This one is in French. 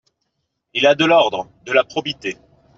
Il a de l’ordre, de la probité.